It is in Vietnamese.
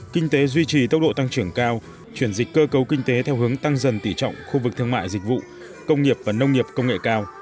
kinh tế duy trì tốc độ tăng trưởng cao chuyển dịch cơ cấu kinh tế theo hướng tăng dần tỉ trọng khu vực thương mại dịch vụ công nghiệp và nông nghiệp công nghệ cao